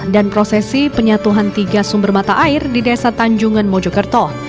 dan prosesi penyatuhan tiga sumber mata air di desa tanjungan mojokerto